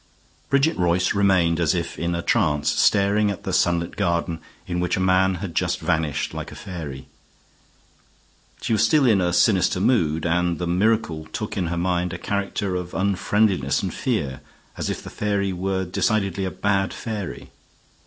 Bridget Royce remained as if in a trance, staring at the sunlit garden in which a man had just vanished like a fairy. She was still in a sinister mood, and the miracle took in her mind a character of unfriendliness and fear, as if the fairy were decidedly a bad fairy.